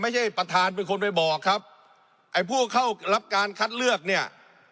ประธานเป็นคนไปบอกครับไอ้ผู้เข้ารับการคัดเลือกเนี่ย